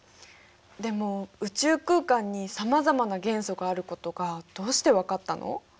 でも宇宙空間にさまざまな元素があることがどうしてわかったの？